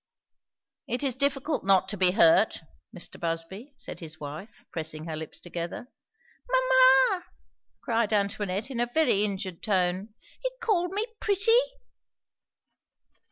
"It is difficult not to be hurt, Mr. Busby," said his wife, pressing her lips together. "Mamma!" cried Antoinette in a very injured tone, "he called me 'pretty'?"